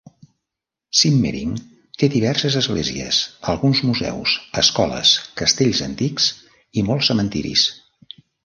Simmering té diverses esglésies, alguns museus, escoles, castells antics i molts cementiris.